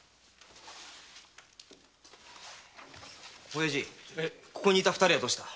おやじここにいた二人はどうした？